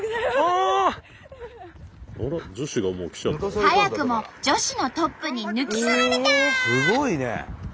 早くも女子のトップに抜き去られた！